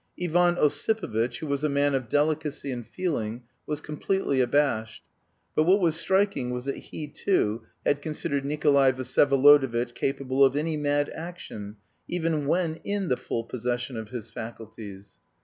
Ivan Ossipovitch, who was a man of delicacy and feeling, was completely abashed. But what was striking was that he, too, had considered Nikolay Vsyevolodovitch capable of any mad action even when in the full possession of his faculties.